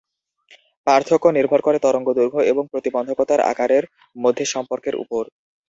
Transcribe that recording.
পার্থক্য নির্ভর করে তরঙ্গদৈর্ঘ্য এবং প্রতিবন্ধকতার আকারের মধ্যে সম্পর্কের উপর।